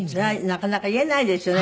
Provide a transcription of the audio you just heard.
なかなか言えないですよね